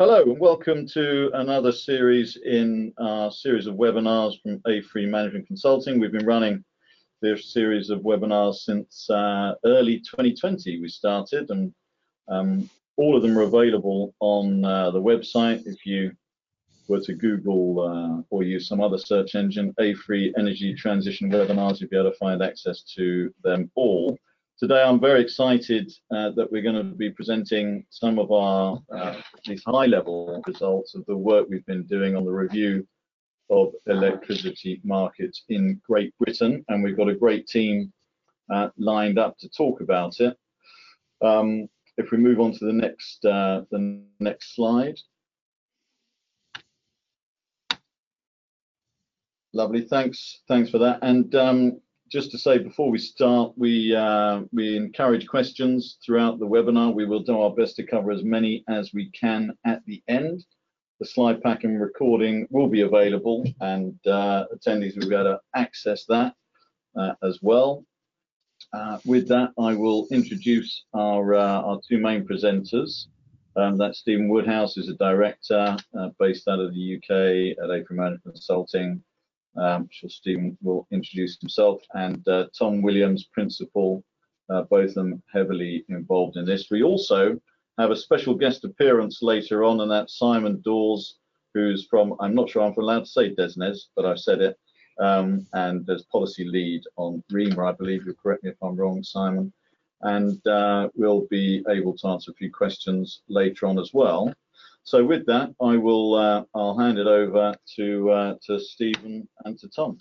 Hello, and welcome to another series in our series of webinars from AFRY Management Consulting. We've been running this series of webinars since early 2020 we started, and all of them are available on the website. If you were to Google or use some other search engine, AFRY energy transition webinars, you'll be able to find access to them all. Today, I'm very excited that we're gonna be presenting some of our at least high-level results of the work we've been doing on the review of electricity markets in Great Britain, and we've got a great team lined up to talk about it. If we move on to the next slide. Lovely. Thanks. Thanks for that. Just to say, before we start, we encourage questions throughout the webinar. We will do our best to cover as many as we can at the end. The slide pack and recording will be available, and attendees will be able to access that, as well. With that, I will introduce our two main presenters, that's Stephen Woodhouse, who's a director based out of the UK at AFRY Management Consulting. I'm sure Stephen will introduce himself, and Tom Williams, Principal, both of them heavily involved in this. We also have a special guest appearance later on, and that's Simon Dawes, who's from... I'm not sure I'm allowed to say DESNZ, but I've said it. And there's policy lead on REMA, I believe, you correct me if I'm wrong, Simon, and we'll be able to answer a few questions later on as well. So with that, I will, I'll hand it over to Stephen and Tom.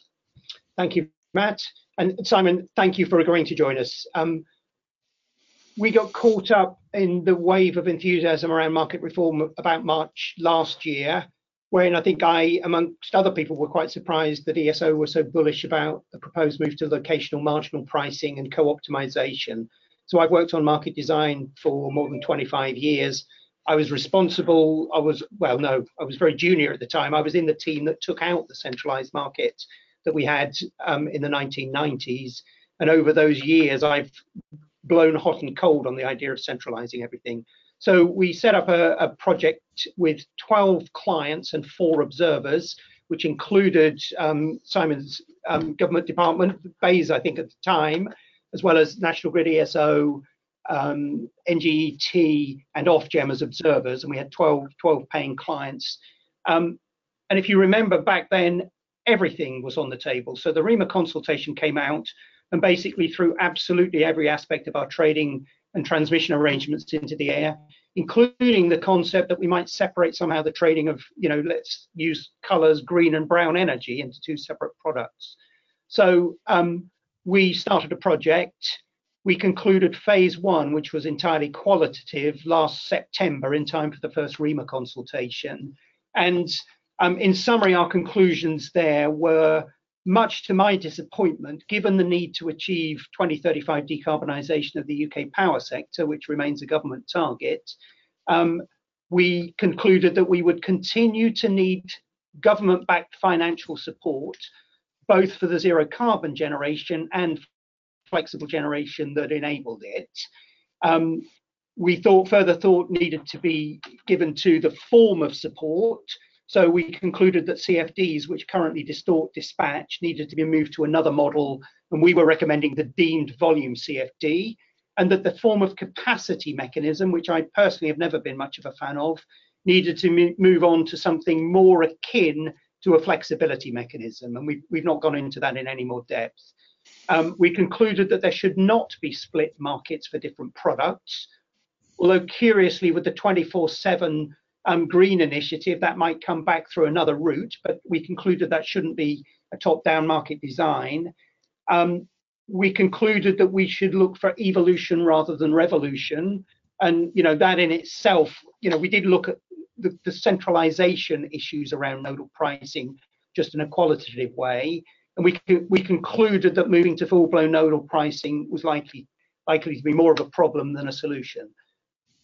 Thank you, Matt, and Simon, thank you for agreeing to join us. We got caught up in the wave of enthusiasm around market reform about March last year, when I think I, among other people, were quite surprised that ESO was so bullish about the proposed move to locational marginal pricing and co-optimization. So I've worked on market design for more than 25 years. Well, no, I was very junior at the time. I was in the team that took out the centralized market that we had in the 1990s, and over those years, I've blown hot and cold on the idea of centralizing everything. So we set up a project with 12 clients and four observers, which included Simon's government department, BEIS, I think, at the time, as well as National Grid ESO, NGET and Ofgem as observers, and we had 12, 12 paying clients. And if you remember back then, everything was on the table. So the REMA consultation came out and basically threw absolutely every aspect of our trading and transmission arrangements into the air, including the concept that we might separate somehow the trading of, you know, let's use colors, green and brown energy into two separate products. So we started a project. We concluded phase I, which was entirely qualitative, last September, in time for the first REMA consultation. In summary, our conclusions there were, much to my disappointment, given the need to achieve 2035 decarbonization of the UK power sector, which remains a government target, we concluded that we would continue to need government-backed financial support, both for the zero carbon generation and flexible generation that enabled it. We thought further thought needed to be given to the form of support, so we concluded that CFDs, which currently distort dispatch, needed to be moved to another model, and we were recommending the deemed volume CFD, and that the form of capacity mechanism, which I personally have never been much of a fan of, needed to move on to something more akin to a flexibility mechanism, and we've not gone into that in any more depth. We concluded that there should not be split markets for different products, although curiously, with the 24/7 green initiative, that might come back through another route, but we concluded that shouldn't be a top-down market design. We concluded that we should look for evolution rather than revolution, and, you know, that in itself, you know, we did look at the centralization issues around nodal pricing, just in a qualitative way, and we concluded that moving to full-blown nodal pricing was likely to be more of a problem than a solution.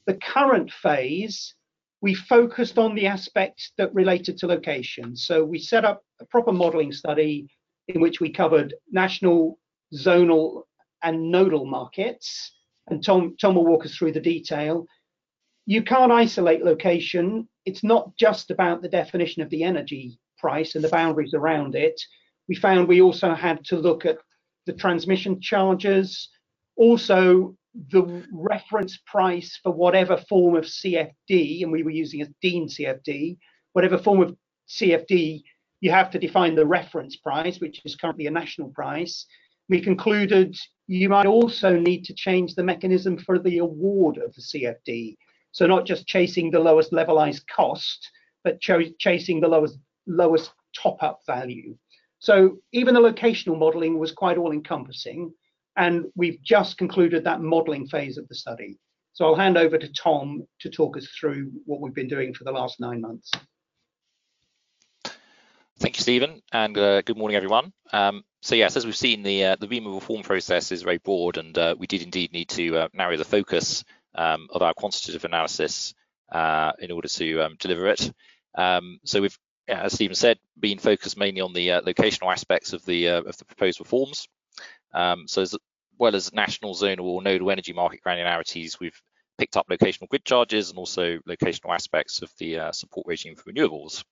The current phase, we focused on the aspects that related to location. So we set up a proper modeling study in which we covered national, zonal, and nodal markets, and Tom will walk us through the detail. You can't isolate location. It's not just about the definition of the energy price and the boundaries around it. We found we also had to look at the transmission charges, also the reference price for whatever form of CFD, and we were using a deemed CFD. Whatever form of CFD, you have to define the reference price, which is currently a national price. We concluded you might also need to change the mechanism for the award of the CFD. So not just chasing the lowest levelized cost, but chasing the lowest, lowest top-up value. So even the locational modeling was quite all-encompassing, and we've just concluded that modeling phase of the study. So I'll hand over to Tom to talk us through what we've been doing for the last nine months. Thank you, Stephen, and good morning, everyone. So yes, as we've seen, the REMA reform process is very broad, and we did indeed need to narrow the focus of our quantitative analysis in order to deliver it. So we've, as Stephen said, been focused mainly on the locational aspects of the proposed reforms. Well as national zonal or nodal energy market granularities, we've picked up locational grid charges and also locational aspects of the support regime for renewables.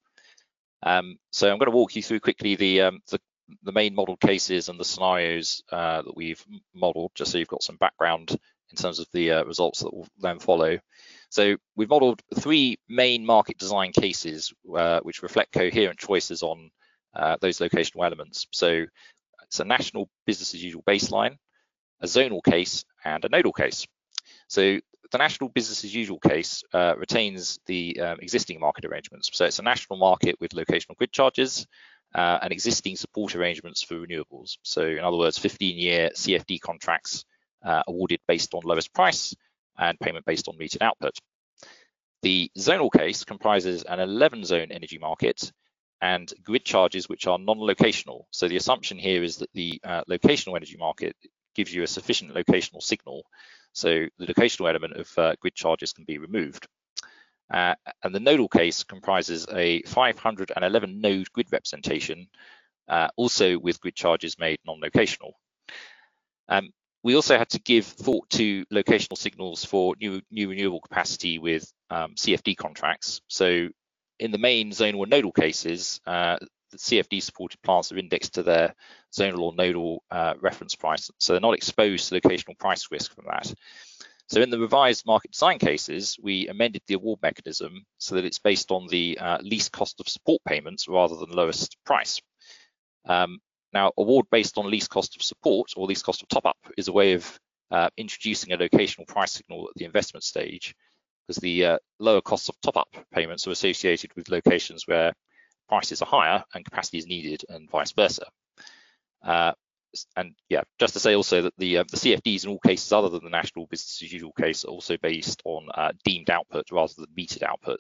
So I'm going to walk you through quickly the main model cases and the scenarios that we've modeled, just so you've got some background in terms of the results that will then follow. So we've modeled three main market design cases, which reflect coherent choices on those locational elements. So it's a national business as usual baseline, a zonal case, and a nodal case. So the national business as usual case retains the existing market arrangements. So it's a national market with locational grid charges and existing support arrangements for renewables. So in other words, 15-year CFD contracts awarded based on lowest price and payment based on metered output. The zonal case comprises an 11-zone energy market and grid charges, which are non-locational. So the assumption here is that the locational energy market gives you a sufficient locational signal, so the locational element of grid charges can be removed. And the nodal case comprises a 511 node grid representation, also with grid charges made non-locational. We also had to give thought to locational signals for new, new renewable capacity with CFD contracts. So in the main zonal or nodal cases, the CFD-supported plants are indexed to their zonal or nodal reference price, so they're not exposed to the locational price risk from that. So in the revised market design cases, we amended the award mechanism so that it's based on the least cost of support payments rather than the lowest price. Now, award based on least cost of support or least cost of top-up is a way of introducing a locational price signal at the investment stage, 'cause the lower costs of top-up payments are associated with locations where prices are higher and capacity is needed, and vice versa. Yeah, just to say also that the CFDs in all cases other than the national business as usual case are also based on deemed output rather than metered output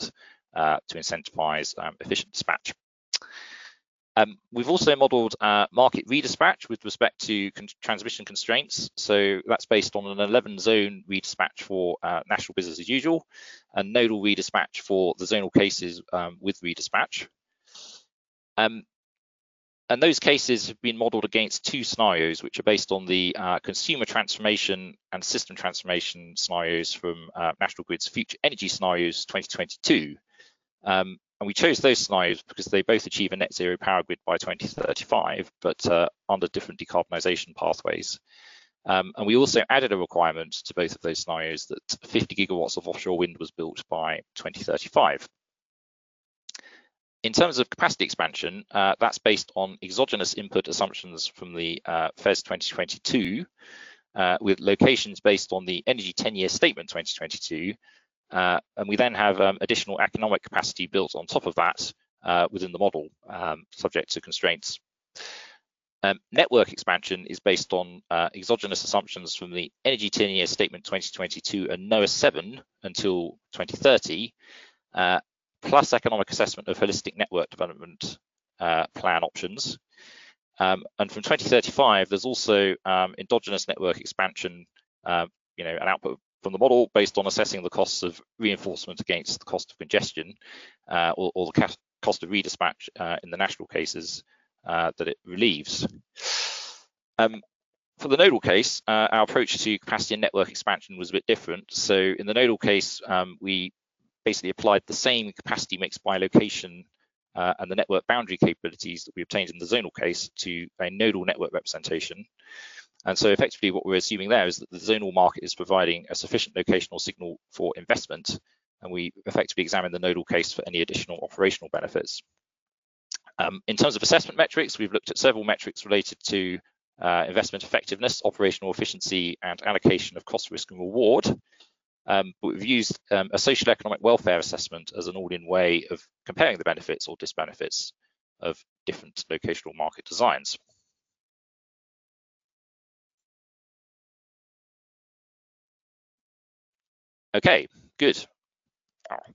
to incentivize efficient dispatch. We've also modeled market redispatch with respect to transmission constraints, so that's based on an 11-zone redispatch for national business as usual, and nodal redispatch for the zonal cases with redispatch. Those cases have been modeled against two scenarios, which are based on the Consumer Transformation and System Transformation scenarios from National Grid's Future Energy Scenarios 2022. We chose those scenarios because they both achieve a net zero power grid by 2035, but under different decarbonization pathways. And we also added a requirement to both of those scenarios that 50 GW of offshore wind was built by 2035. In terms of capacity expansion, that's based on exogenous input assumptions from the FES 2022, with locations based on the Electricity Ten Year Statement 2022. And we then have additional economic capacity built on top of that, within the model, subject to constraints. Network expansion is based on exogenous assumptions from the Electricity Ten Year Statement 2022, and NOA 7 until 2030, plus economic assessment of holistic network development plan options. From 2035, there's also endogenous network expansion, you know, and output from the model based on assessing the costs of reinforcement against the cost of congestion, or the cost of redispatch, in the national cases that it relieves. For the nodal case, our approach to capacity and network expansion was a bit different. In the nodal case, we basically applied the same capacity mix by location, and the network boundary capabilities that we obtained in the zonal case to a nodal network representation. So effectively, what we're assuming there is that the zonal market is providing a sufficient locational signal for investment, and we effectively examine the nodal case for any additional operational benefits. In terms of assessment metrics, we've looked at several metrics related to investment effectiveness, operational efficiency, and allocation of cost, risk, and reward. But we've used a socioeconomic welfare assessment as an all-in way of comparing the benefits or disbenefits of different locational market designs. Okay, good. All right.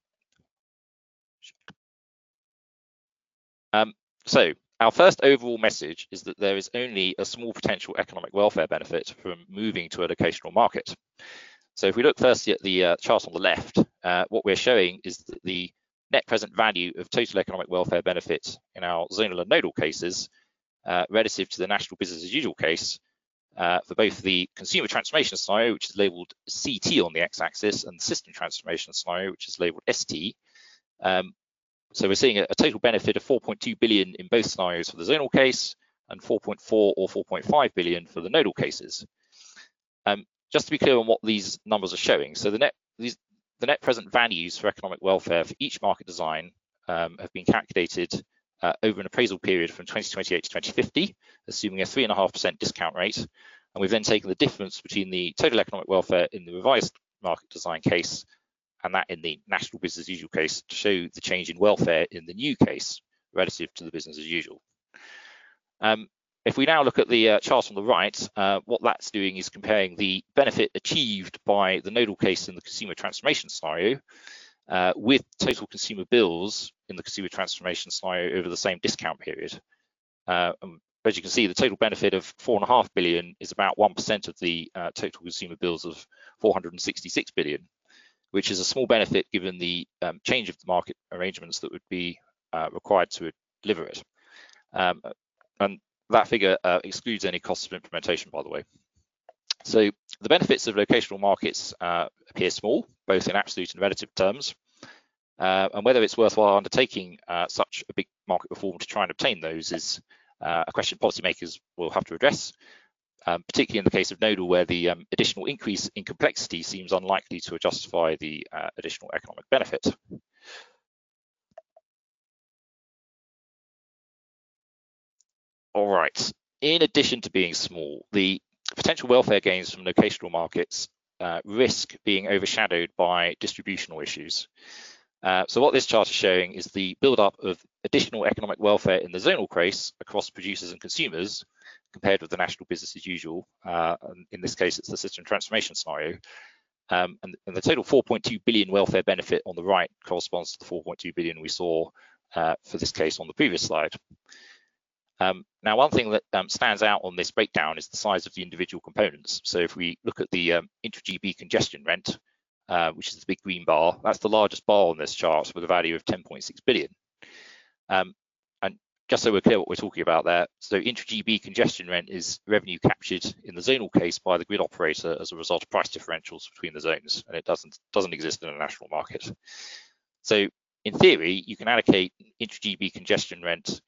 So our first overall message is that there is only a small potential economic welfare benefit from moving to a locational market. So if we look firstly at the chart on the left, what we're showing is that the net present value of total economic welfare benefits in our zonal and nodal cases relative to the national business as usual case for both the Consumer Transformation scenario, which is labeled CT on the X-axis, and the System Transformation scenario, which is labeled ST. So we're seeing a total benefit of 4.2 billion in both scenarios for the zonal case and 4.4 billion or 4.5 billion for the nodal cases. Just to be clear on what these numbers are showing, so the net present values for economic welfare for each market design have been calculated over an appraisal period from 2028 to 2050, assuming a 3.5% discount rate. We've then taken the difference between the total economic welfare in the revised market design case and that in the national business as usual case, to show the change in welfare in the new case relative to the business as usual. If we now look at the chart on the right, what that's doing is comparing the benefit achieved by the nodal case in the consumer transformation scenario with total consumer bills in the consumer transformation scenario over the same discount period. As you can see, the total benefit of 4.5 billion is about 1% of the total consumer bills of 466 billion, which is a small benefit given the change of the market arrangements that would be required to deliver it. And that figure excludes any cost of implementation, by the way. So the benefits of locational markets appear small, both in absolute and relative terms. And whether it's worthwhile undertaking such a big market reform to try and obtain those is a question policymakers will have to address, particularly in the case of nodal, where the additional increase in complexity seems unlikely to adjust by the additional economic benefit. All right. In addition to being small, the potential welfare gains from locational markets risk being overshadowed by distributional issues. So what this chart is showing is the build-up of additional economic welfare in the zonal case across producers and consumers, compared with the national business as usual. And the total 4.2 billion welfare benefit on the right corresponds to the 4.2 billion we saw for this case on the previous slide. Now, one thing that stands out on this breakdown is the size of the individual components. So if we look at the intra-GB congestion rent, which is the big green bar, that's the largest bar on this chart, with a value of 10.6 billion. And just so we're clear what we're talking about there, intra-GB congestion rent is revenue captured in the zonal case by the grid operator as a result of price differentials between the zones, and it doesn't exist in a national market. So in theory, you can allocate intra-GB congestion rent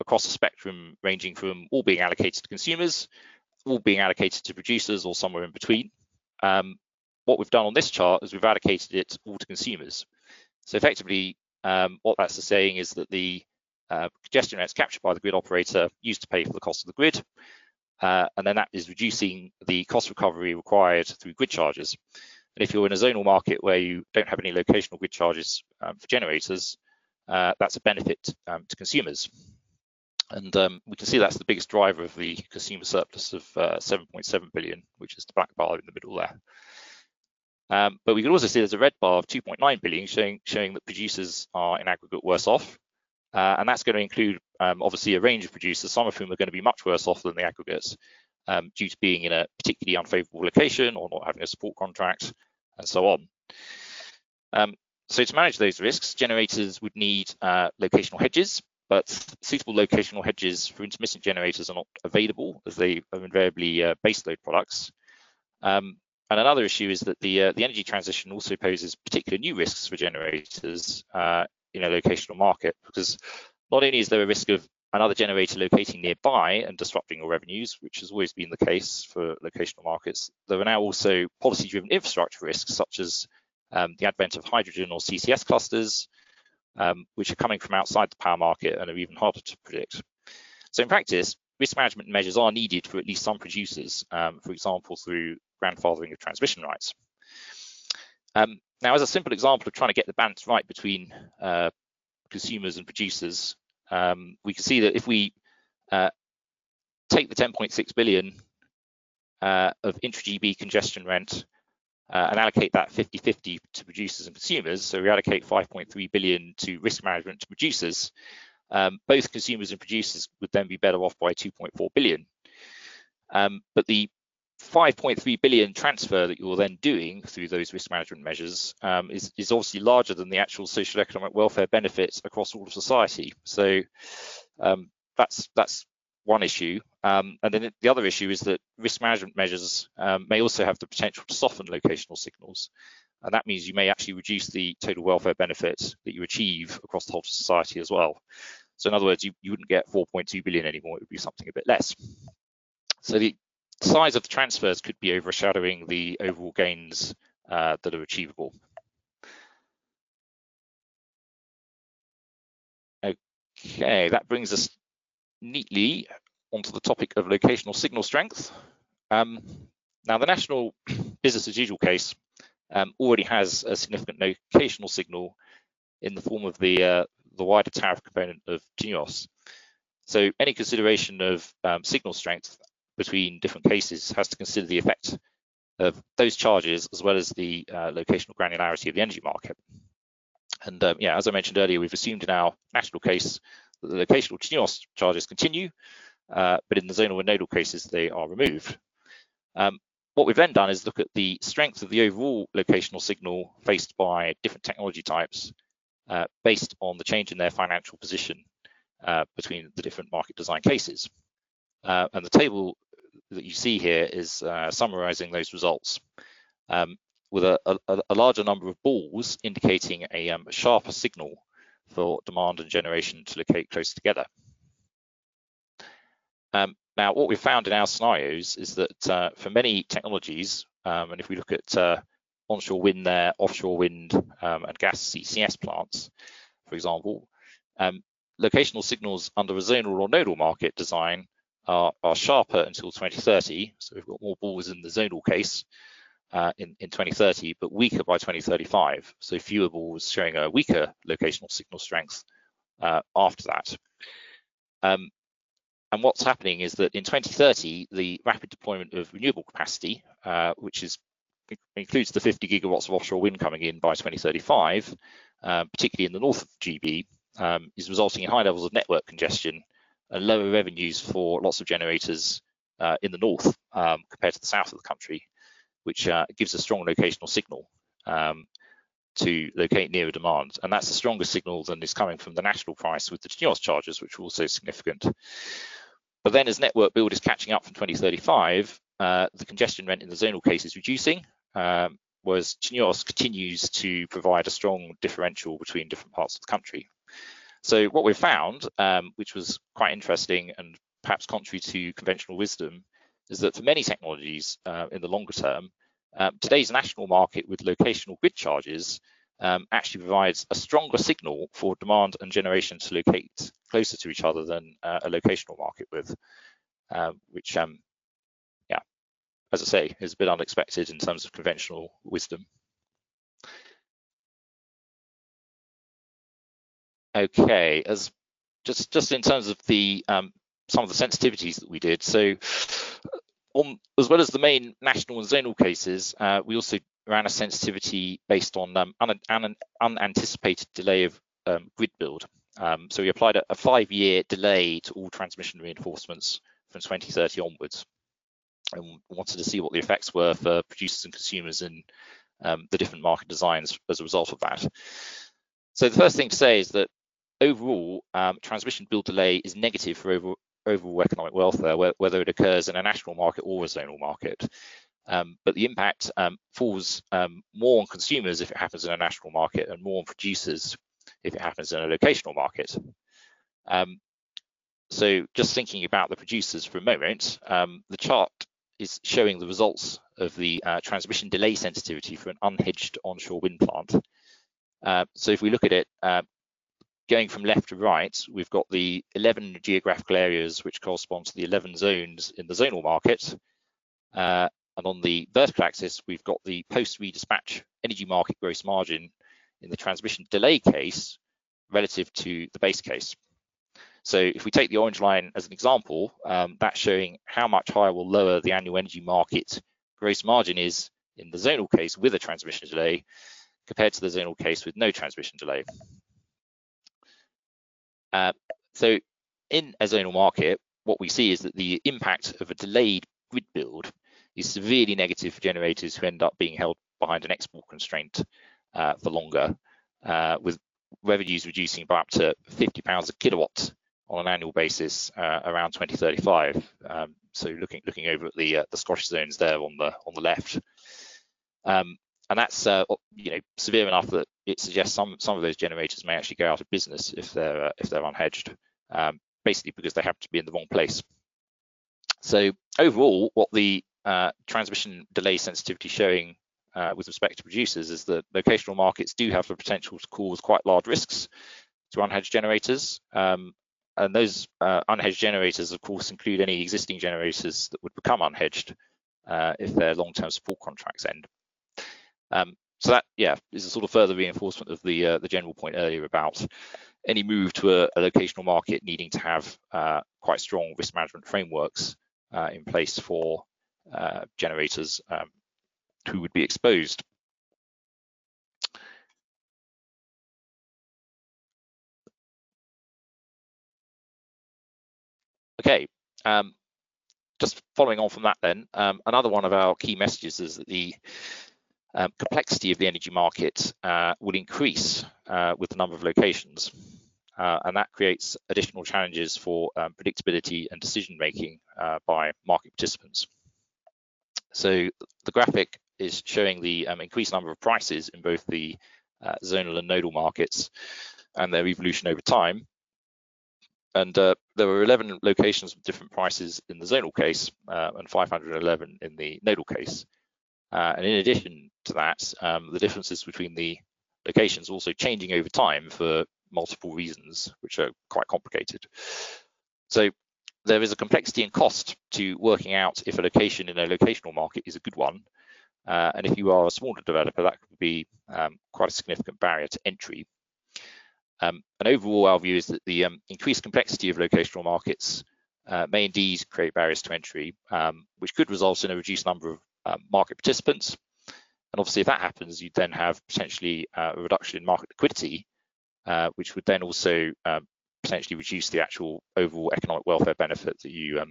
across the spectrum, ranging from all being allocated to consumers, all being allocated to producers or somewhere in between. What we've done on this chart is we've allocated it all to consumers. So effectively, what that's saying is that the congestion that's captured by the grid operator, used to pay for the cost of the grid, and then that is reducing the cost recovery required through grid charges. And if you're in a zonal market where you don't have any locational grid charges, for generators, that's a benefit, to consumers. And we can see that's the biggest driver of the consumer surplus of 7.7 billion, which is the black bar in the middle there. But we can also see there's a red bar of 2.9 billion, showing that producers are, in aggregate, worse off. That's gonna include, obviously, a range of producers, some of whom are going to be much worse off than the aggregates, due to being in a particularly unfavorable location or not having a support contract, and so on. To manage those risks, generators would need locational hedges, but suitable locational hedges for intermittent generators are not available, as they are invariably base load products. And another issue is that the energy transition also poses particular new risks for generators in a locational market, because not only is there a risk of another generator locating nearby and disrupting your revenues, which has always been the case for locational markets, there are now also policy-driven infrastructure risks, such as the advent of hydrogen or CCS clusters, which are coming from outside the power market and are even harder to predict. So in practice, risk management measures are needed for at least some producers, for example, through grandfathering of transmission rights. Now, as a simple example of trying to get the balance right between consumers and producers, we can see that if we take the 10.6 billion of inter-GB congestion rent and allocate that 50/50 to producers and consumers, so we allocate 5.3 billion to risk management to producers, both consumers and producers would then be better off by 2.4 billion. But the 5.3 billion transfer that you're then doing through those risk management measures is obviously larger than the actual social economic welfare benefits across all of society. That's one issue. And then the other issue is that risk management measures may also have the potential to soften locational signals, and that means you may actually reduce the total welfare benefits that you achieve across the whole of society as well. So in other words, you, you wouldn't get 4.2 billion anymore, it would be something a bit less. So the size of the transfers could be overshadowing the overall gains that are achievable. Okay, that brings us neatly onto the topic of locational signal strength. Now, the national business as usual case already has a significant locational signal in the form of the wider tariff component of TNUoS. So any consideration of signal strength between different cases has to consider the effect of those charges, as well as the locational granularity of the energy market. As I mentioned earlier, we've assumed in our national case that the locational TNUoS charges continue, but in the zonal and nodal cases, they are removed. What we've then done is look at the strength of the overall locational signal faced by different technology types, based on the change in their financial position, between the different market design cases. The table that you see here is summarizing those results, with a larger number of balls indicating a sharper signal for demand and generation to locate close together. Now, what we've found in our scenarios is that for many technologies, and if we look at onshore wind there, offshore wind, and gas CCS plants, for example, locational signals under a zonal or nodal market design are sharper until 2030. So we've got more balls in the zonal case in 2030, but weaker by 2035, so fewer balls showing a weaker locational signal strength after that. And what's happening is that in 2030, the rapid deployment of renewable capacity, which includes the 50 GW of offshore wind coming in by 2035, particularly in the north of GB, is resulting in high levels of network congestion and lower revenues for lots of generators in the north compared to the south of the country. which gives a strong locational signal to locate nearer demand, and that's a stronger signal than is coming from the national price with the TNUoS charges, which are also significant. But then, as network build is catching up for 2035, the congestion rent in the zonal case is reducing, whereas TNUoS continues to provide a strong differential between different parts of the country. So what we found, which was quite interesting and perhaps contrary to conventional wisdom, is that for many technologies, in the longer term, today's national market with locational bid charges actually provides a stronger signal for demand and generation to locate closer to each other than a locational market with... Yeah, as I say, is a bit unexpected in terms of conventional wisdom. Okay, just in terms of some of the sensitivities that we did. So, as well as the main national and zonal cases, we also ran a sensitivity based on an unanticipated delay of grid build. So we applied a five-year delay to all transmission reinforcements from 2030 onwards, and wanted to see what the effects were for producers and consumers and the different market designs as a result of that. So the first thing to say is that overall, transmission build delay is negative for overall economic welfare, whether it occurs in a national market or a zonal market. But the impact falls more on consumers if it happens in a national market, and more on producers if it happens in a locational market. Just thinking about the producers for a moment, the chart is showing the results of the transmission delay sensitivity for an unhedged onshore wind plant. If we look at it, going from left to right, we've got the 11 geographical areas, which correspond to the 11 zones in the zonal market. On the vertical axis, we've got the post redispatch energy market gross margin in the transmission delay case, relative to the base case. If we take the orange line as an example, that's showing how much higher or lower the annual energy market gross margin is in the zonal case with a transmission delay, compared to the zonal case with no transmission delay. So in a zonal market, what we see is that the impact of a delayed grid build is severely negative for generators who end up being held behind an export constraint, for longer, with revenues reducing by up to 50 pounds a kilowatt on an annual basis, around 2035. So looking over at the Scottish zones there on the left. And that's, you know, severe enough that it suggests some of those generators may actually go out of business if they're unhedged, basically because they happen to be in the wrong place. So overall, what the transmission delay sensitivity showing, with respect to producers, is that locational markets do have the potential to cause quite large risks to unhedged generators. And those unhedged generators, of course, include any existing generators that would become unhedged if their long-term support contracts end. So that, yeah, is a sort of further reinforcement of the general point earlier about any move to a locational market needing to have quite strong risk management frameworks in place for generators who would be exposed. Okay, just following on from that then, another one of our key messages is that the complexity of the energy market would increase with the number of locations, and that creates additional challenges for predictability and decision making by market participants. So the graphic is showing the increased number of prices in both the zonal and nodal markets, and their evolution over time. There were 11 locations with different prices in the zonal case, and 511 in the nodal case. In addition to that, the differences between the locations are also changing over time for multiple reasons, which are quite complicated. There is a complexity and cost to working out if a location in a locational market is a good one, and if you are a smaller developer, that could be quite a significant barrier to entry. Overall, our view is that the increased complexity of locational markets may indeed create barriers to entry, which could result in a reduced number of market participants. Obviously, if that happens, you'd then have potentially a reduction in market liquidity, which would then also potentially reduce the actual overall economic welfare benefit that you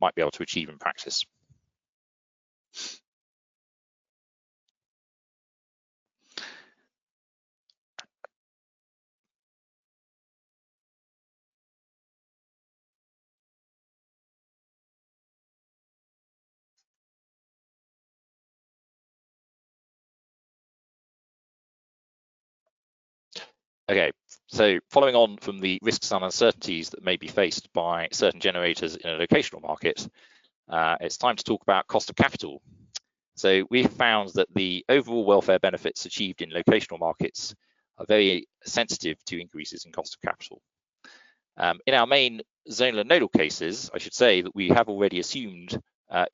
might be able to achieve in practice. Okay, so following on from the risks and uncertainties that may be faced by certain generators in a locational market, it's time to talk about cost of capital. We found that the overall welfare benefits achieved in locational markets are very sensitive to increases in cost of capital. In our main zonal and nodal cases, I should say that we have already assumed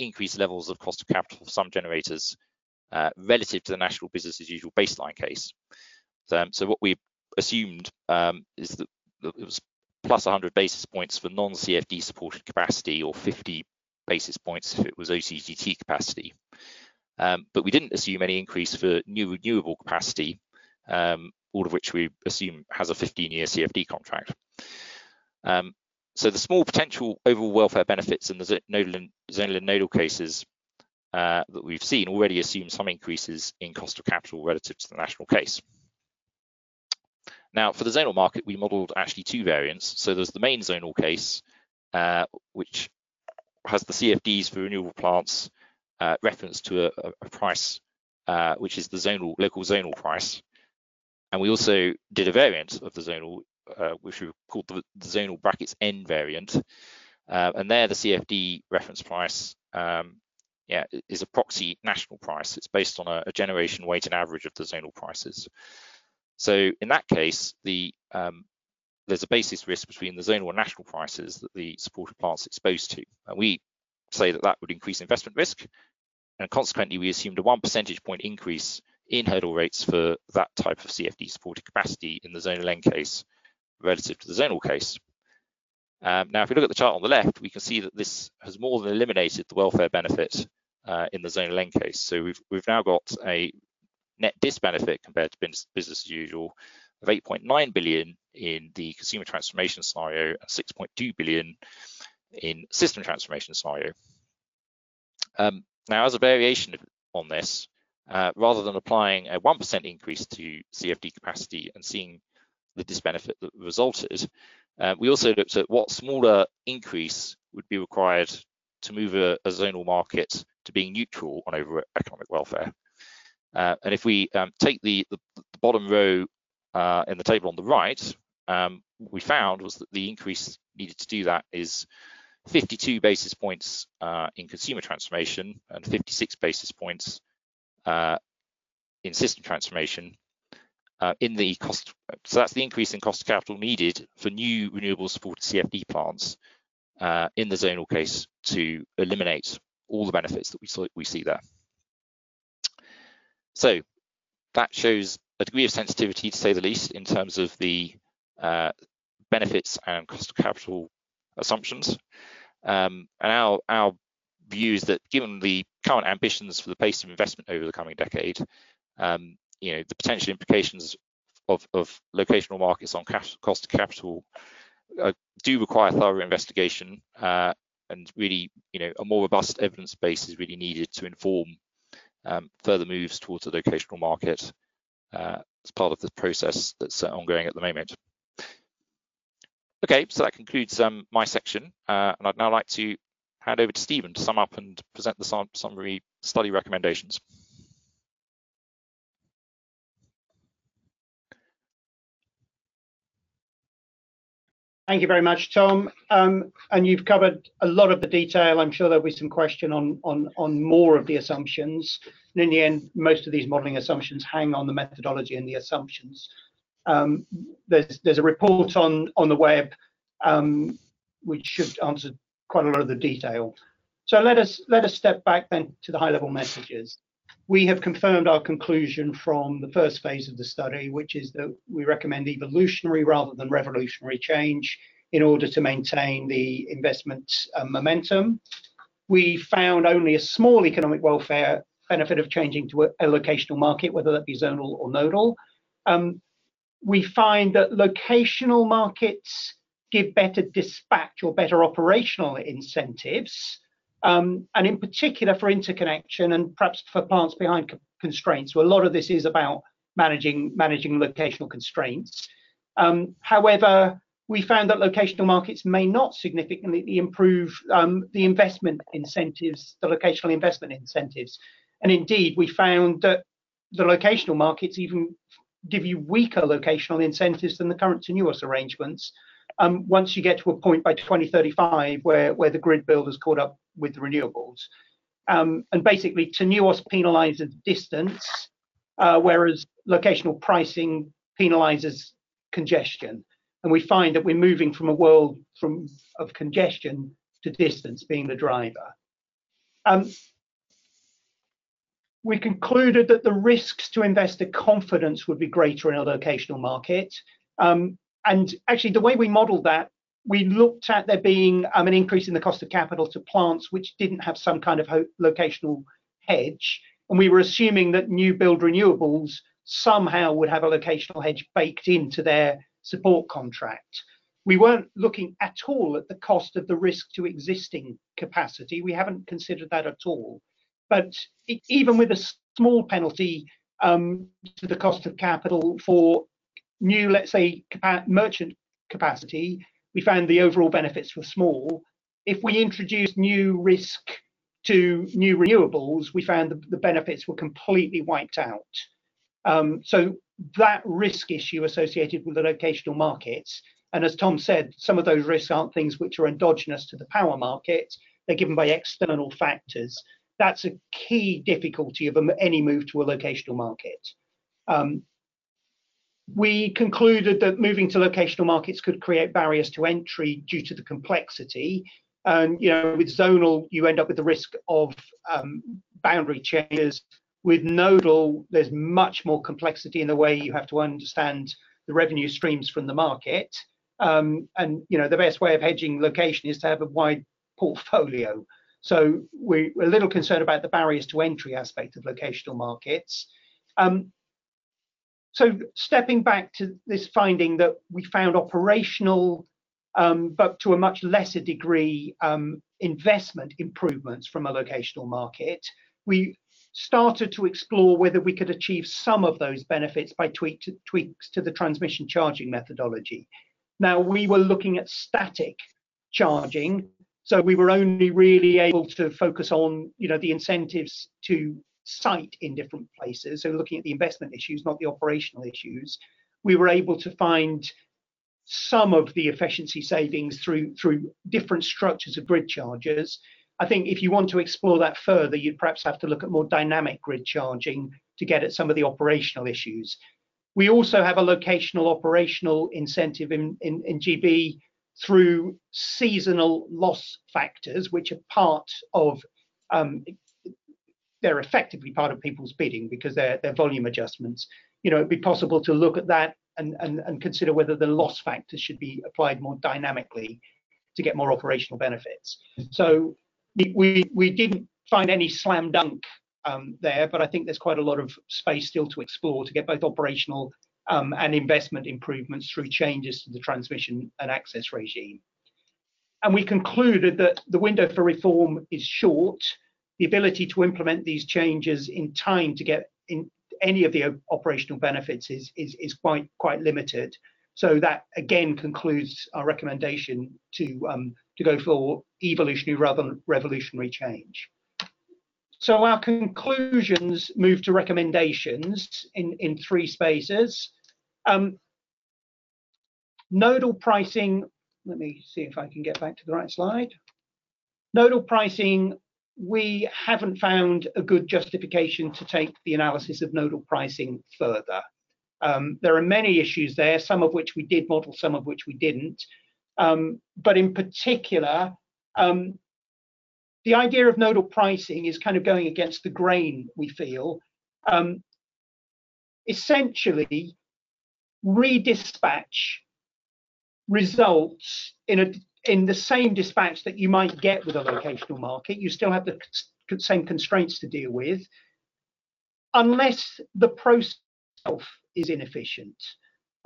increased levels of cost of capital for some generators relative to the national business as usual baseline case. So what we assumed is that it was +100 basis points for non-CFD supported capacity, or 50 basis points if it was OCGT capacity. But we didn't assume any increase for new renewable capacity, all of which we assume has a 15-year CFD contract. So the small potential overall welfare benefits in the zonal and nodal cases that we've seen already assume some increases in cost of capital relative to the national case. Now, for the zonal market, we modeled actually two variants. So there's the main zonal case, which has the CFDs for renewable plants referenced to a price which is the zonal, local zonal price. And we also did a variant of the zonal, which we called the Zonal (N) variant. And there, the CFD reference price is a proxy national price. It's based on a generation weighted average of the zonal prices. So in that case, there's a basis risk between the zonal and national prices that the supported plant's exposed to, and we say that that would increase investment risk. And consequently, we assumed a one percentage point increase in hurdle rates for that type of CFD-supported capacity in the Zonal (N) case, relative to the zonal case. Now, if you look at the chart on the left, we can see that this has more than eliminated the welfare benefit in the zonal end case. So we've now got a net disbenefit compared to business as usual, of 8.9 billion in the consumer transformation scenario, and 6.2 billion in system transformation scenario. Now, as a variation on this, rather than applying a 1% increase to CFD capacity and seeing the disbenefit that resulted, we also looked at what smaller increase would be required to move a zonal market to being neutral on overall economic welfare. And if we take the bottom row in the table on the right, what we found was that the increase needed to do that is 52 basis points in consumer transformation and 56 basis points in system transformation in the cost. So that's the increase in cost of capital needed for new renewable support CFD plants in the zonal case, to eliminate all the benefits that we saw... we see there. So that shows a degree of sensitivity, to say the least, in terms of the benefits and cost of capital assumptions. Our view is that given the current ambitions for the pace of investment over the coming decade, you know, the potential implications of locational markets on cost of capital do require thorough investigation. Really, you know, a more robust evidence base is really needed to inform further moves towards the locational market as part of the process that's ongoing at the moment. Okay, so that concludes my section. I'd now like to hand over to Stephen to sum up and present the summary study recommendations. Thank you very much, Tom. And you've covered a lot of the detail. I'm sure there'll be some question on more of the assumptions, and in the end, most of these modeling assumptions hang on the methodology and the assumptions. There's a report on the web, which should answer quite a lot of the detail. So let us step back then to the high-level messages. We have confirmed our conclusion from the first phase of the study, which is that we recommend evolutionary rather than revolutionary change in order to maintain the investment momentum. We found only a small economic welfare benefit of changing to a locational market, whether that be zonal or nodal. We find that locational markets give better dispatch or better operational incentives, and in particular for interconnection and perhaps for plants behind constraints, where a lot of this is about managing locational constraints. However, we found that locational markets may not significantly improve the investment incentives, the locational investment incentives, and indeed, we found that the locational markets even give you weaker locational incentives than the current TNUoS arrangements, once you get to a point by 2035, where the grid build has caught up with renewables. And basically, TNUoS penalizes distance, whereas locational pricing penalizes congestion, and we find that we're moving from a world of congestion to distance being the driver. We concluded that the risks to investor confidence would be greater in a locational market. Actually, the way we modeled that, we looked at there being an increase in the cost of capital to plants, which didn't have some kind of locational hedge, and we were assuming that new build renewables somehow would have a locational hedge baked into their support contract. We weren't looking at all at the cost of the risk to existing capacity. We haven't considered that at all. But even with a small penalty to the cost of capital for new, let's say, merchant capacity, we found the overall benefits were small. If we introduced new risk to new renewables, we found the benefits were completely wiped out. So that risk issue associated with the locational markets, and as Tom said, some of those risks aren't things which are endogenous to the power market, they're given by external factors. That's a key difficulty of any move to a locational market. We concluded that moving to locational markets could create barriers to entry due to the complexity. You know, with zonal, you end up with the risk of boundary changes. With nodal, there's much more complexity in the way you have to understand the revenue streams from the market. And, you know, the best way of hedging location is to have a wide portfolio. So we're a little concerned about the barriers to entry aspect of locational markets. So stepping back to this finding that we found operational, but to a much lesser degree, investment improvements from a locational market, we started to explore whether we could achieve some of those benefits by tweaks to the transmission charging methodology. Now, we were looking at static charging, so we were only really able to focus on, you know, the incentives to site in different places, so looking at the investment issues, not the operational issues. We were able to find some of the efficiency savings through different structures of grid charges. I think if you want to explore that further, you'd perhaps have to look at more dynamic grid charging to get at some of the operational issues. We also have a locational operational incentive in GB through seasonal loss factors, which are part of, they're effectively part of people's bidding because they're volume adjustments. You know, it'd be possible to look at that and consider whether the loss factors should be applied more dynamically to get more operational benefits. So we didn't find any slam dunk there, but I think there's quite a lot of space still to explore to get both operational and investment improvements through changes to the transmission and access regime. We concluded that the window for reform is short. The ability to implement these changes in time to get in any of the operational benefits is quite limited. So that, again, concludes our recommendation to go for evolutionary rather than revolutionary change. So our conclusions move to recommendations in three spaces. Nodal pricing... Let me see if I can get back to the right slide. Nodal pricing, we haven't found a good justification to take the analysis of nodal pricing further. There are many issues there, some of which we did model, some of which we didn't. But in particular, the idea of nodal pricing is kind of going against the grain, we feel. Essentially, redispatch results in a, in the same dispatch that you might get with a locational market. You still have the same constraints to deal with, unless the process itself is inefficient.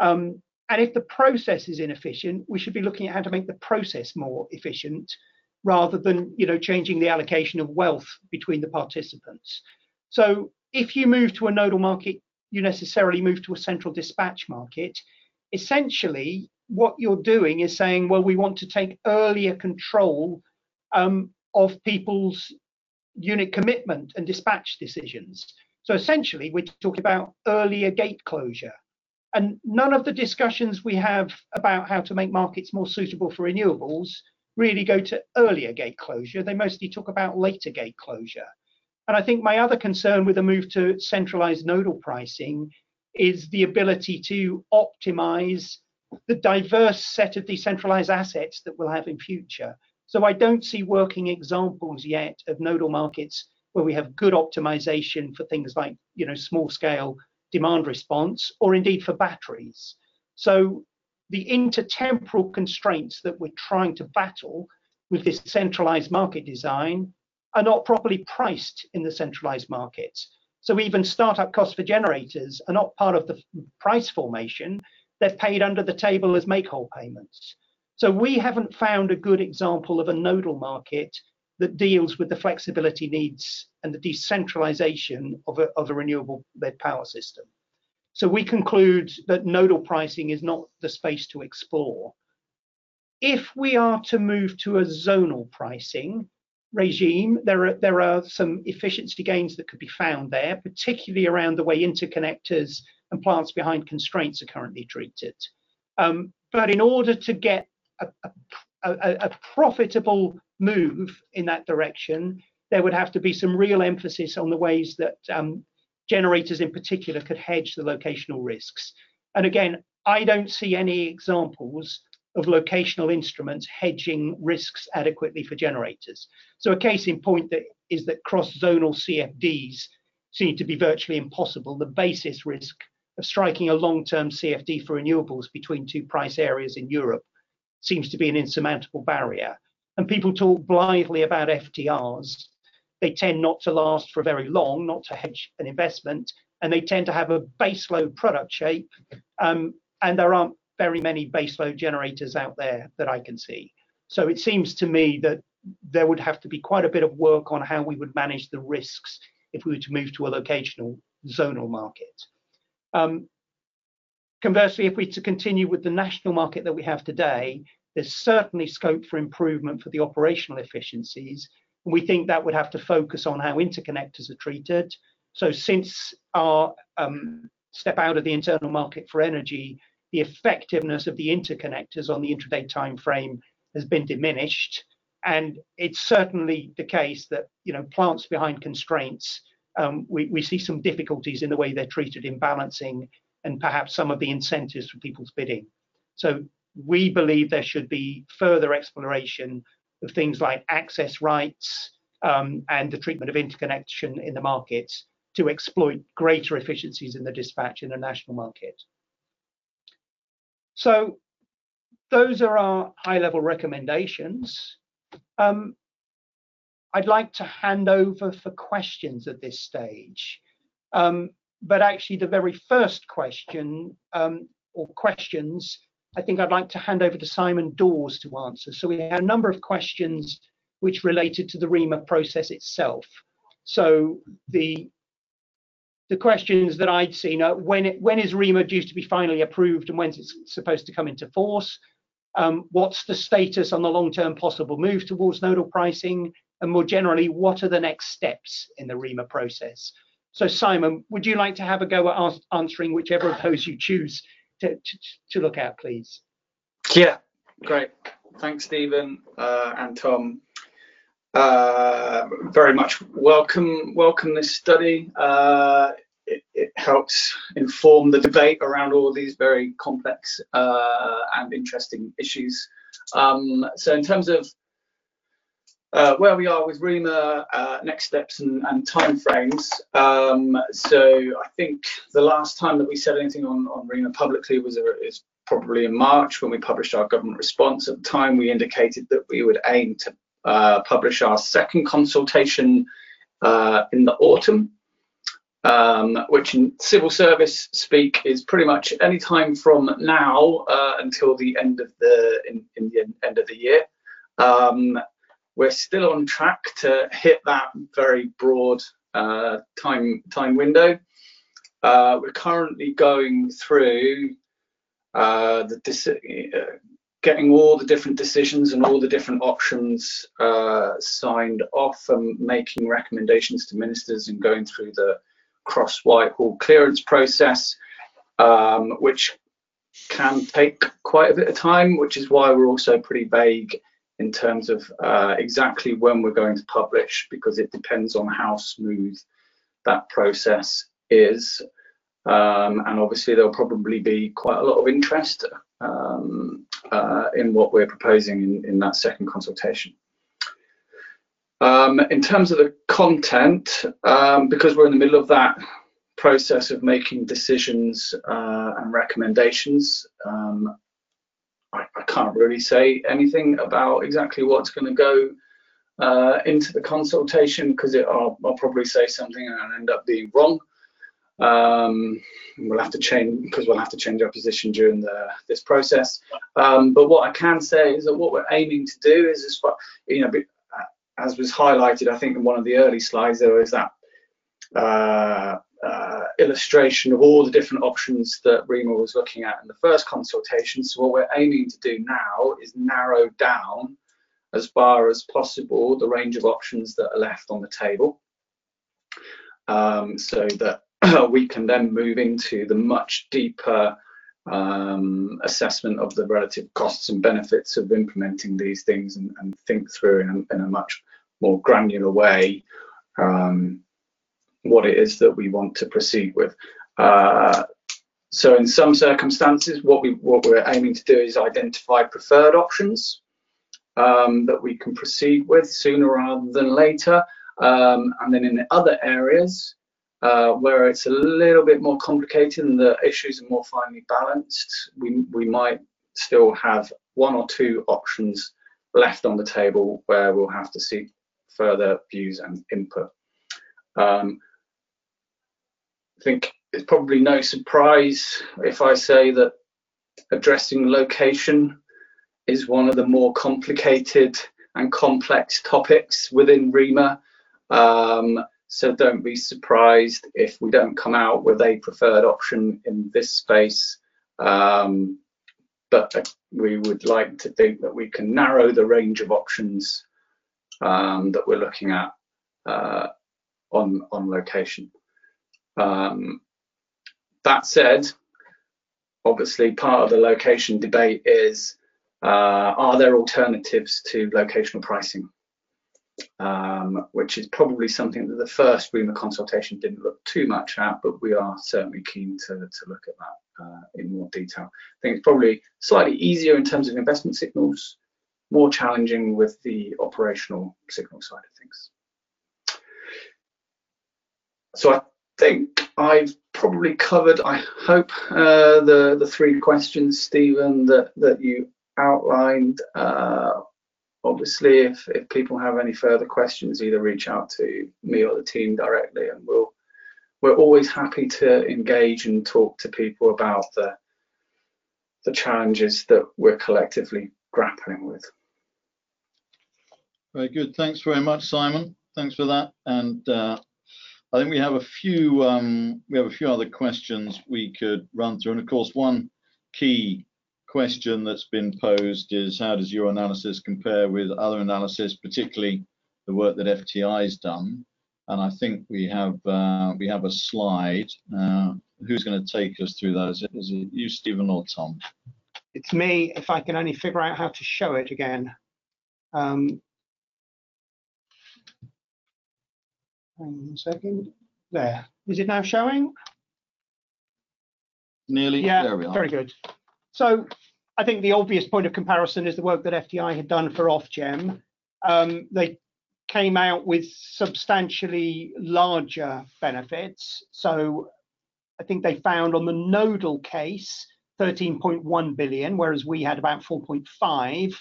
And if the process is inefficient, we should be looking at how to make the process more efficient, rather than, you know, changing the allocation of wealth between the participants. So if you move to a nodal market, you necessarily move to a central dispatch market. Essentially, what you're doing is saying, well, we want to take earlier control of people's unit commitment and dispatch decisions. So essentially, we're talking about earlier Gate Closure, and none of the discussions we have about how to make markets more suitable for renewables really go to earlier Gate Closure. They mostly talk about later Gate Closure. And I think my other concern with the move to centralized nodal pricing is the ability to optimize the diverse set of decentralized assets that we'll have in future. So I don't see working examples yet of Nodal markets where we have good optimization for things like, you know, small-scale demand response or indeed for batteries. So the intertemporal constraints that we're trying to battle with this centralized market design are not properly priced in the centralized markets. So even start-up costs for generators are not part of the price formation. They're paid under the table as make-whole payments. So we haven't found a good example of a nodal market that deals with the flexibility needs and the decentralization of a renewable power system. So we conclude that nodal pricing is not the space to explore. If we are to move to a zonal pricing regime, there are some efficiency gains that could be found there, particularly around the way interconnectors and plants behind constraints are currently treated. But in order to get a profitable move in that direction, there would have to be some real emphasis on the ways that generators in particular could hedge the locational risks. And again, I don't see any examples of locational instruments hedging risks adequately for generators. So a case in point is that cross-zonal CFDs seem to be virtually impossible. The basis risk of striking a long-term CFD for renewables between two price areas in Europe seems to be an insurmountable barrier. People talk blithely about FTRs. They tend not to last for very long, not to hedge an investment, and they tend to have a base load product shape, and there aren't very many base load generators out there that I can see. So it seems to me that there would have to be quite a bit of work on how we would manage the risks if we were to move to a locational zonal market. Conversely, if we're to continue with the national market that we have today, there's certainly scope for improvement for the operational efficiencies, and we think that would have to focus on how interconnectors are treated. So since our step out of the internal market for energy, the effectiveness of the interconnectors on the intraday timeframe has been diminished, and it's certainly the case that, you know, plants behind constraints, we see some difficulties in the way they're treated in balancing and perhaps some of the incentives for people's bidding. So we believe there should be further exploration of things like access rights, and the treatment of interconnection in the markets to exploit greater efficiencies in the dispatch in the national market. So those are our high-level recommendations. I'd like to hand over for questions at this stage. But actually, the very first question, or questions, I think I'd like to hand over to Simon Dawes to answer. So we had a number of questions which related to the REMA process itself. So the questions that I'd seen are: When is REMA due to be finally approved, and when is it supposed to come into force? What's the status on the long-term possible move towards nodal pricing? And more generally, what are the next steps in the REMA process? So Simon, would you like to have a go at answering whichever of those you choose to look at, please? Yeah. Great. Thanks, Stephen, and Tom. Very much welcome this study. It helps inform the debate around all these very complex and interesting issues. So in terms of where we are with REMA, next steps and time frames, so I think the last time that we said anything on REMA publicly is probably in March, when we published our government response. At the time, we indicated that we would aim to publish our second consultation in the autumn, which in civil service speak is pretty much any time from now until the end of the year. We're still on track to hit that very broad time window. We're currently going through the deci... Getting all the different decisions and all the different options, signed off and making recommendations to ministers and going through the cross-Whitehall clearance process, which can take quite a bit of time, which is why we're all so pretty vague in terms of exactly when we're going to publish, because it depends on how smooth that process is. And obviously, there'll probably be quite a lot of interest in what we're proposing in that second consultation. In terms of the content, because we're in the middle of that process of making decisions and recommendations, I can't really say anything about exactly what's gonna go into the consultation 'cause it... I'll probably say something, and I'll end up being wrong. We'll have to change 'cause we'll have to change our position during this process. But what I can say is that what we're aiming to do is, well, you know, as was highlighted, I think in one of the early slides, there was that illustration of all the different options that REMA was looking at in the first consultation. So what we're aiming to do now is narrow down, as far as possible, the range of options that are left on the table, so that we can then move into the much deeper assessment of the relative costs and benefits of implementing these things and think through in a much more granular way what it is that we want to proceed with. So in some circumstances, what we're aiming to do is identify preferred options that we can proceed with sooner rather than later. And then in the other areas, where it's a little bit more complicated, and the issues are more finely balanced, we might still have one or two options left on the table, where we'll have to seek further views and input. I think it's probably no surprise if I say that addressing location is one of the more complicated and complex topics within REMA. So don't be surprised if we don't come out with a preferred option in this space, but we would like to think that we can narrow the range of options, that we're looking at, on location. That said, obviously, part of the location debate is, are there alternatives to locational pricing? which is probably something that the first REMA consultation didn't look too much at, but we are certainly keen to, to look at that, in more detail. I think it's probably slightly easier in terms of investment signals, more challenging with the operational signal side of things. So I think I've probably covered, I hope, the, the three questions, Stephen, that, that you outlined. Obviously, if, if people have any further questions, either reach out to me or the team directly, and we'll, we're always happy to engage and talk to people about the, the challenges that we're collectively grappling with. Very good. Thanks very much, Simon. Thanks for that, and I think we have a few, we have a few other questions we could run through. Of course, one key question that's been posed is: How does your analysis compare with other analysis, particularly the work that FTI has done? I think we have, we have a slide. Who's gonna take us through that? Is it you, Stephen, or Tom? It's me, if I can only figure out how to show it again. One second. There. Is it now showing? Nearly. Yeah. There we are. Very good. So I think the obvious point of comparison is the work that FTI had done for Ofgem. They came out with substantially larger benefits. So I think they found on the nodal case, 13.1 billion, whereas we had about 4.5 billion,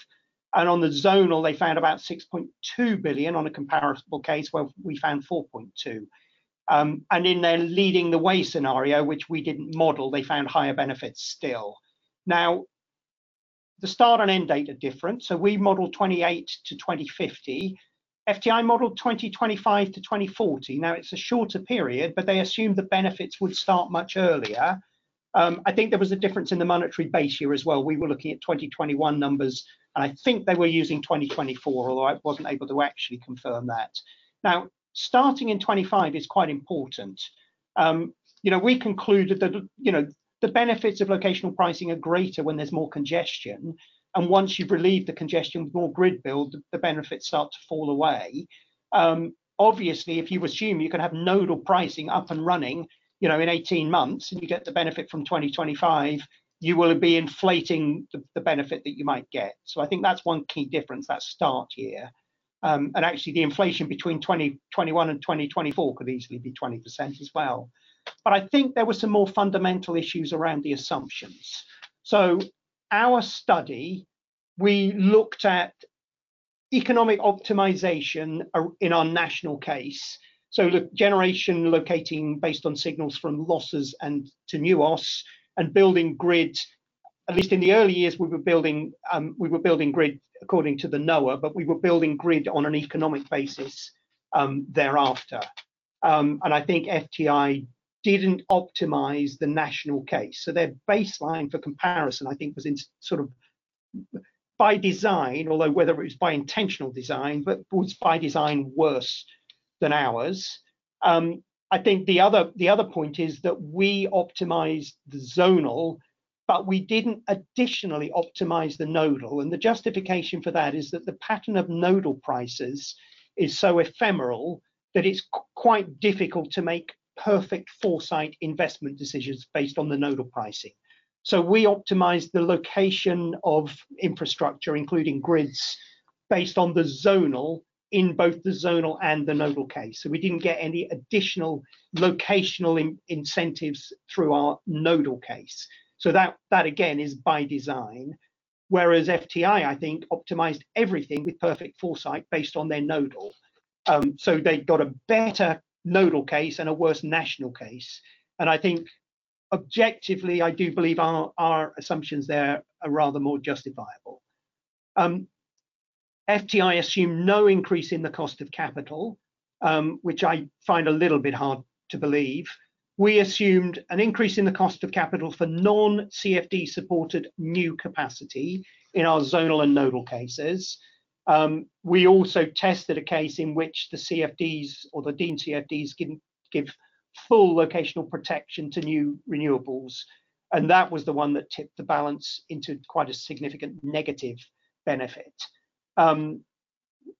and on the zonal, they found about 6.2 billion on a comparable case where we found 4.2 billion. And in their Leading the Way scenario, which we didn't model, they found higher benefits still. Now, the start and end date are different, so we modeled 2028 to 2050. FTI modeled 2025 to 2040. Now, it's a shorter period, but they assumed the benefits would start much earlier. I think there was a difference in the monetary base year as well. We were looking at 2021 numbers, and I think they were using 2024, although I wasn't able to actually confirm that. Now, starting in 2025 is quite important. You know, we concluded that, you know, the benefits of locational pricing are greater when there's more congestion, and once you've relieved the congestion with more grid build, the benefits start to fall away. Obviously, if you assume you can have nodal pricing up and running, you know, in 18 months, and you get the benefit from 2025, you will be inflating the, the benefit that you might get. So I think that's one key difference, that start year. And actually the inflation between 2021 and 2024 could easily be 20% as well. But I think there were some more fundamental issues around the assumptions. So our study, we looked at economic optimization in our national case. So the generation locating based on signals from losses and TNUoS and building grid. At least in the early years, we were building, we were building grid according to the NOA, but we were building grid on an economic basis thereafter. And I think FTI didn't optimize the national case. So their baseline for comparison, I think, was in sort of by design, although whether it was by intentional design, but was by design worse than ours. I think the other point is that we optimized the zonal, but we didn't additionally optimize the nodal. And the justification for that is that the pattern of nodal prices is so ephemeral that it's quite difficult to make perfect foresight investment decisions based on the nodal pricing. So we optimized the location of infrastructure, including grids, based on the zonal, in both the zonal and the nodal case. So we didn't get any additional locational incentives through our nodal case. So that again is by design. Whereas FTI, I think, optimized everything with perfect foresight based on their nodal. So they've got a better nodal case and a worse national case. And I think objectively, I do believe our assumptions there are rather more justifiable. FTI assumed no increase in the cost of capital, which I find a little bit hard to believe. We assumed an increase in the cost of capital for non-CFD-supported new capacity in our zonal and nodal cases. We also tested a case in which the CFDs or the deemed CFDs give full locational protection to new renewables, and that was the one that tipped the balance into quite a significant negative benefit.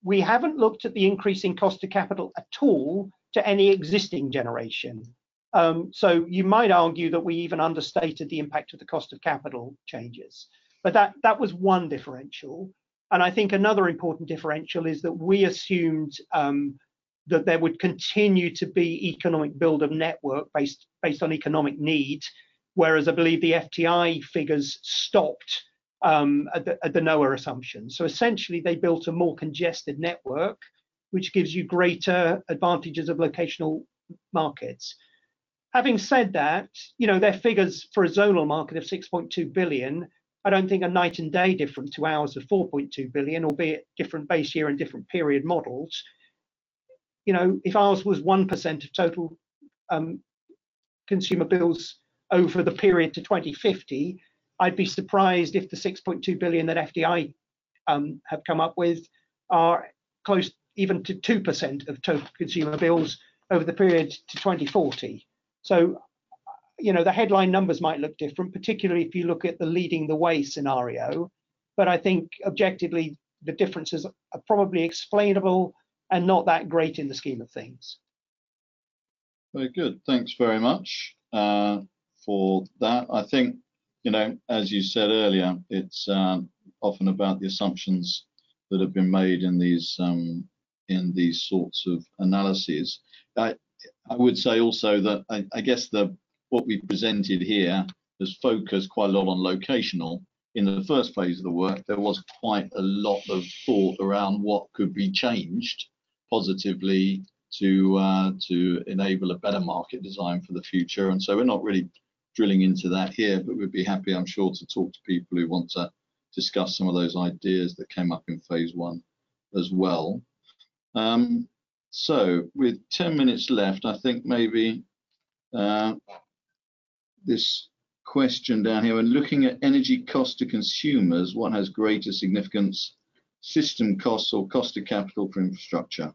We haven't looked at the increasing cost of capital at all to any existing generation. So you might argue that we even understated the impact of the cost of capital changes, but that was one differential. And I think another important differential is that we assumed that there would continue to be economic build of network based on economic need, whereas I believe the FTI figures stopped at the NOA assumption. So essentially, they built a more congested network, which gives you greater advantages of locational markets. Having said that, you know, their figures for a zonal market of 6.2 billion, I don't think are night and day different to ours of 4.2 billion, albeit different base year and different period models. You know, if ours was 1% of total consumer bills over the period to 2050, I'd be surprised if the 6.2 billion that FTI have come up with are close even to 2% of total consumer bills over the period to 2040. So, you know, the headline numbers might look different, particularly if you look at the leading the way scenario, but I think objectively, the differences are probably explainable and not that great in the scheme of things. Very good. Thanks very much for that. I think, you know, as you said earlier, it's often about the assumptions that have been made in these sorts of analyses. I would say also that I guess the what we've presented here is focused quite a lot on locational. In the first phase of the work, there was quite a lot of thought around what could be changed positively to enable a better market design for the future. And so we're not really drilling into that here, but we'd be happy, I'm sure, to talk to people who want to discuss some of those ideas that came up in phase I as well. So with 10 minutes left, I think maybe, this question down here: When looking at energy cost to consumers, what has greater significance, system costs or cost of capital for infrastructure?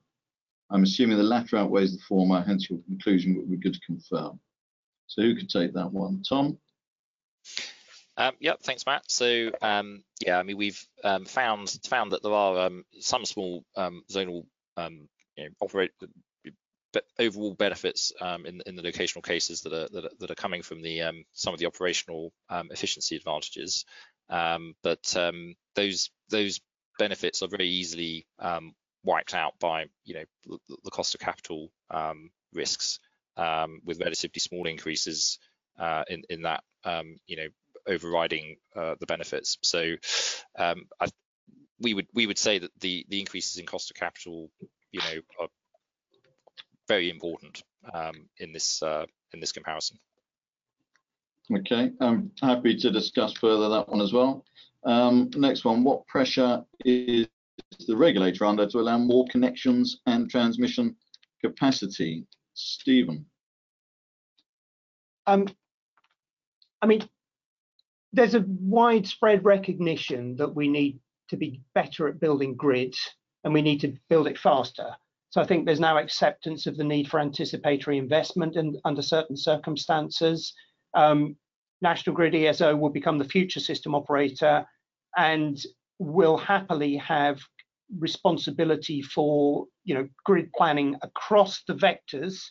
I'm assuming the latter outweighs the former, hence your conclusion, but we're good to confirm. So who could take that one? Tom? Yep, thanks, Matt. So, yeah, I mean, we've found that there are some small zonal—you know—operate the overall benefits in the locational cases that are coming from some of the operational efficiency advantages. But those benefits are very easily wiped out by, you know, the cost of capital risks with relatively small increases in that, you know, overriding the benefits. So, we would say that the increases in cost of capital, you know, are very important in this comparison. Okay. Happy to discuss further that one as well. Next one: What pressure is the regulator under to allow more connections and transmission capacity? Stephen. I mean, there's a widespread recognition that we need to be better at building grid, and we need to build it faster. So I think there's now acceptance of the need for anticipatory investment in under certain circumstances. National Grid ESO will become the future system operator and will happily have responsibility for, you know, grid planning across the vectors,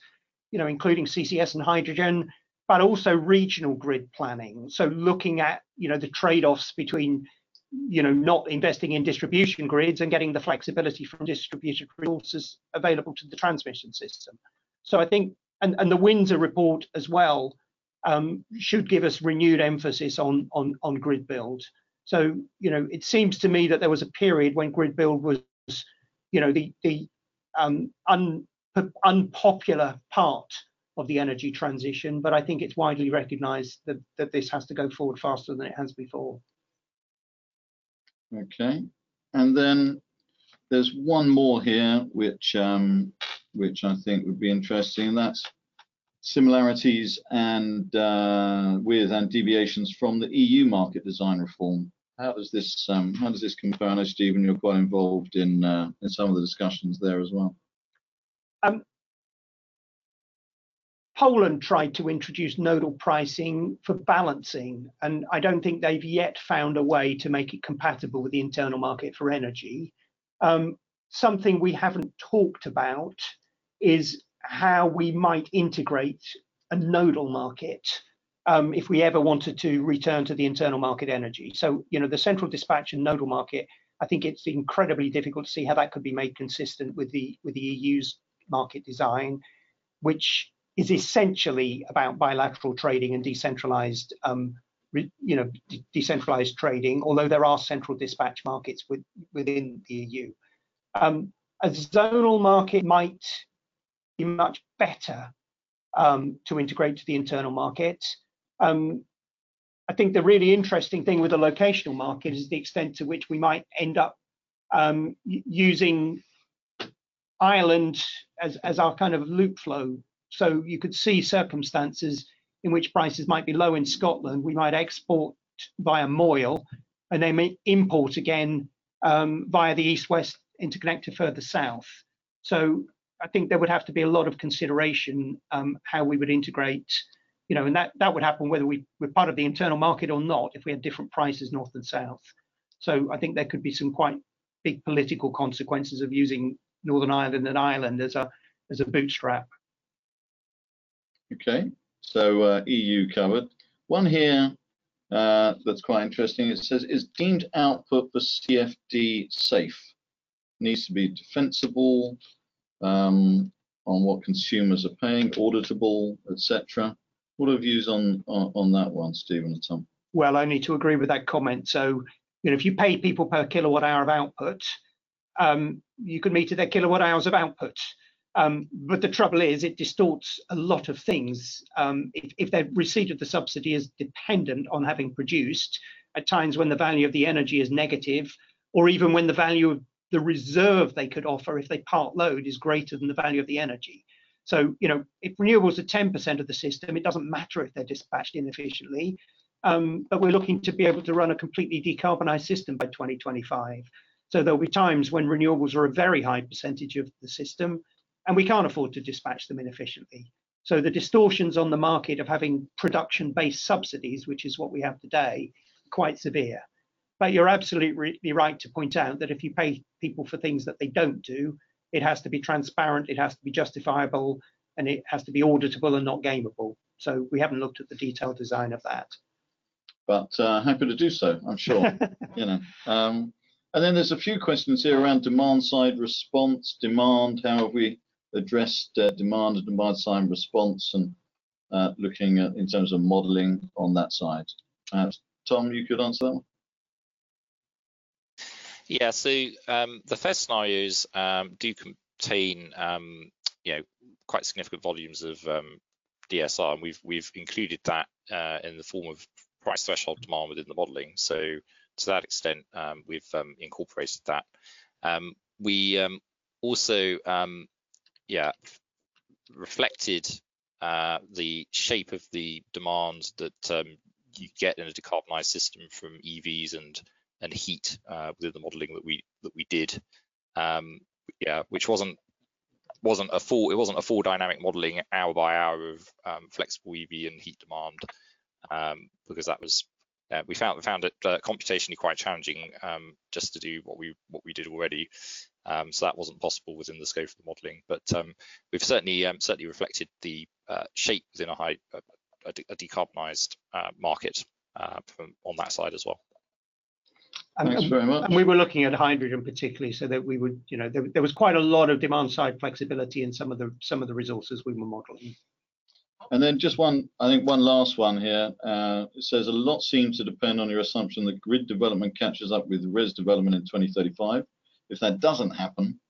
you know, including CCS and hydrogen, but also regional grid planning. So looking at, you know, the trade-offs between, you know, not investing in distribution grids and getting the flexibility from distributed resources available to the transmission system. So I think, and the Windsor Report as well, should give us renewed emphasis on grid build. So, you know, it seems to me that there was a period when grid build was, you know, the unpopular part of the energy transition, but I think it's widely recognized that this has to go forward faster than it has before. Okay. And then there's one more here, which I think would be interesting, and that's similarities and with and deviations from the EU market design reform. How does this compare? I know, Stephen, you're quite involved in some of the discussions there as well. Poland tried to introduce nodal pricing for balancing, and I don't think they've yet found a way to make it compatible with the internal market for energy. Something we haven't talked about is how we might integrate a nodal market, if we ever wanted to return to the internal market energy. So, you know, the central dispatch and nodal market, I think it's incredibly difficult to see how that could be made consistent with the, with the EU's market design, which is essentially about bilateral trading and decentralized, you know, decentralized trading, although there are central dispatch markets within the EU. A zonal market might be much better, to integrate to the internal market. I think the really interesting thing with the locational market is the extent to which we might end up using Ireland as our kind of loop flow. So you could see circumstances in which prices might be low in Scotland. We might export via Moyle, and they may import again via the East-West Interconnector further south. So I think there would have to be a lot of consideration how we would integrate, you know, and that would happen whether we're part of the internal market or not, if we had different prices, north and south. So I think there could be some quite big political consequences of using Northern Ireland and Ireland as a bootstrap. Okay. So, EU covered. One here, that's quite interesting. It says: Is deemed output for CFD safe? Needs to be defensible, on what consumers are paying, auditable, et cetera. What are your views on that one, Stephen and Tom? Well, I need to agree with that comment. So, you know, if you pay people per kilowatt hour of output, you can meter their kilowatt hours of output. But the trouble is, it distorts a lot of things. If, if the receipt of the subsidy is dependent on having produced at times when the value of the energy is negative, or even when the value of the reserve they could offer, if they part load, is greater than the value of the energy. So, you know, if renewables are 10% of the system, it doesn't matter if they're dispatched inefficiently. But we're looking to be able to run a completely decarbonized system by 2025. So there'll be times when renewables are a very high percentage of the system, and we can't afford to dispatch them inefficiently. So the distortions on the market of having production-based subsidies, which is what we have today, quite severe. But you're absolutely right to point out that if you pay people for things that they don't do, it has to be transparent, it has to be justifiable, and it has to be auditable and not gameable. So we haven't looked at the detailed design of that. Happy to do so, I'm sure. You know, and then there's a few questions here around demand side response, demand, how have we addressed, demand and demand side response, and, looking at in terms of modeling on that side? Tom, you could answer that one. Yeah. So, the first scenarios do contain, you know, quite significant volumes of DSR, and we've included that in the form of price threshold demand within the modeling. So to that extent, we've incorporated that. We also reflected the shape of the demand that you get in a decarbonized system from EVs and heat with the modeling that we did. Yeah, which wasn't a full dynamic modeling, hour by hour of flexible EV and heat demand, because we found it computationally quite challenging just to do what we did already. So that wasn't possible within the scope of the modeling, but we've certainly certainly reflected the shapes in a high decarbonized market from on that side as well. Thanks very much. We were looking at hydrogen particularly, so that we would, you know, there was quite a lot of demand-side flexibility in some of the resources we were modeling. And then just one, I think one last one here. It says, a lot seem to depend on your assumption that grid development catches up with res development in 2035. If that doesn't happen,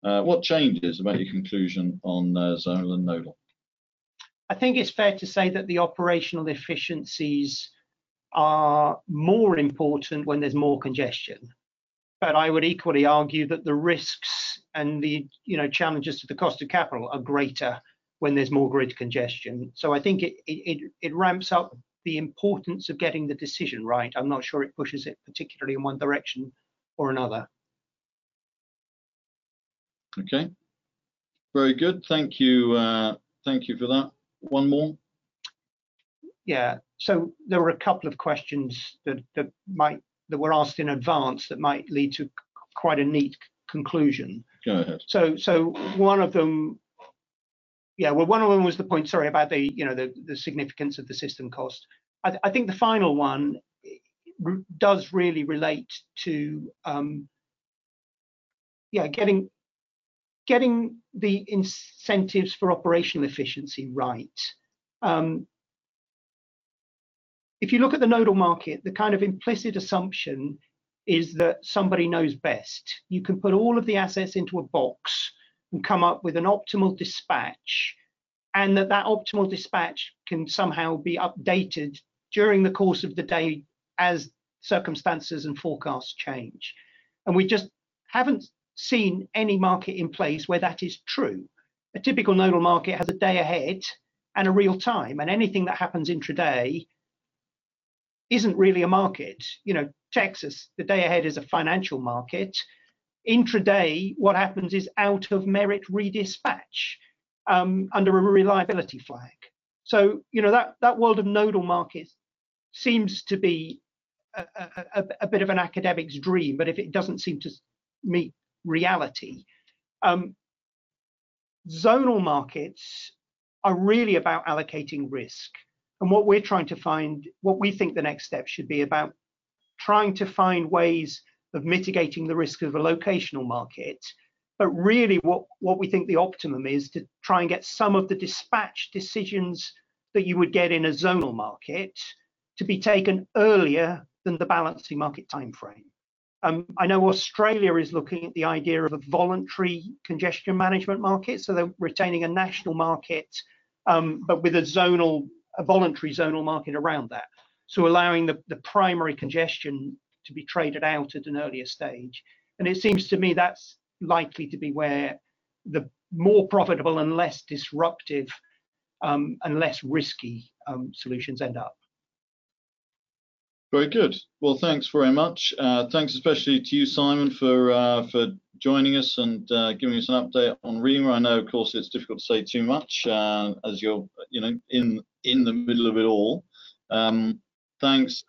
what changes about your conclusion on zonal and nodal? I think it's fair to say that the operational efficiencies are more important when there's more congestion. But I would equally argue that the risks and the, you know, challenges to the cost of capital are greater when there's more grid congestion. So I think it ramps up the importance of getting the decision right. I'm not sure it pushes it particularly in one direction or another. Okay. Very good. Thank you, thank you for that. One more? Yeah. So there were a couple of questions that were asked in advance that might lead to quite a neat conclusion. Go ahead. So one of them, yeah, well, one of them was the point, sorry, about the, you know, the significance of the system cost. I think the final one does really relate to, yeah, getting the incentives for operational efficiency right. If you look at the nodal market, the kind of implicit assumption is that somebody knows best. You can put all of the assets into a box and come up with an optimal dispatch, and that optimal dispatch can somehow be updated during the course of the day as circumstances and forecasts change. And we just haven't seen any market in place where that is true. A typical nodal market has a day ahead and a real time, and anything that happens intraday isn't really a market. You know, Texas, the day ahead is a financial market. In today, what happens is out of merit redispatch under a reliability flag. So, you know, that world of nodal markets seems to be a bit of an academic's dream, but it doesn't seem to meet reality. Zonal markets are really about allocating risk, and what we're trying to find, what we think the next step should be about trying to find ways of mitigating the risk of a locational market. But really, what we think the optimum is to try and get some of the dispatch decisions that you would get in a zonal market to be taken earlier than the balancing market timeframe. I know Australia is looking at the idea of a voluntary congestion management market, so they're retaining a national market, but with a voluntary zonal market around that. So allowing the primary congestion to be traded out at an earlier stage. It seems to me that's likely to be where the more profitable and less disruptive, and less risky, solutions end up. Very good. Well, thanks very much. Thanks especially to you, Simon, for joining us and giving us an update on REMA. I know, of course, it's difficult to say too much, as you're, you know, in the middle of it all. Thanks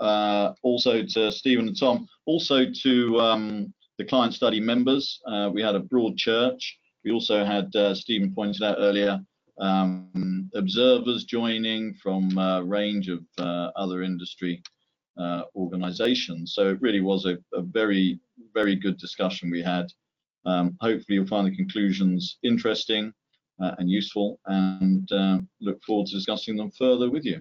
also to Stephen and Tom, also to the client study members. We had a broad church. We also had, Stephen pointed out earlier, observers joining from a range of other industry organizations. So it really was a very, very good discussion we had. Hopefully, you'll find the conclusions interesting and useful, and look forward to discussing them further with you.